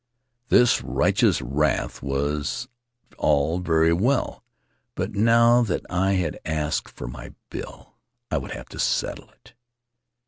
This righteous wrath was all very well, but now that I had asked for my bill, I would have to settle it.